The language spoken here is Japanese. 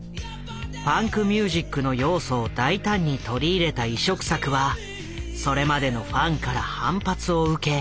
ファンクミュージックの要素を大胆に取り入れた異色作はそれまでのファンから反発を受け